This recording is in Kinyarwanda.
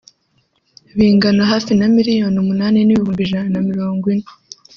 bingana hafi na miliyoni umunani n’ibihumbi ijana na mirongo ine